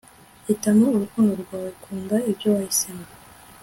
hitamo urukundo rwawe, kunda ibyo wahisemo